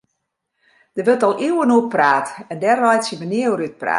Dêr wurdt al iuwen oer praat en dêr reitsje we nea oer útpraat.